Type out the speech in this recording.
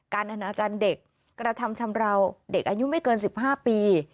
อนาจารย์เด็กกระทำชำราวเด็กอายุไม่เกิน๑๕ปี